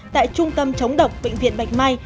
tại trung tâm chống độc bệnh viện bạch mai